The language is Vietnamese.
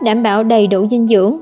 đảm bảo đầy đủ dinh dưỡng